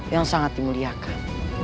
yang sangat dimuliakan